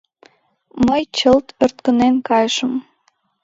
Мый чылт ӧрткынен кайышым.